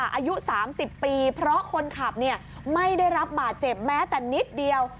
อายุ๓๐ปีเพราะคนขับไม่ได้รับบาดเจ็บแม้แต่นิดเดียว